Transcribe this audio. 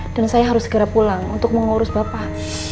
dan saya harus segera pulang untuk mau ngurus bapak